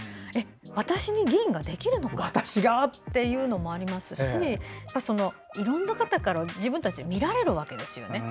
私に議員ができるのかというのもありますしいろんな方から自分たちが見られるわけですよね。